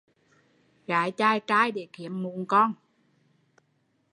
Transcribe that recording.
Gái chài trai để kiếm mụn con